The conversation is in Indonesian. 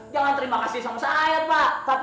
jangan terima kasih sama saya pak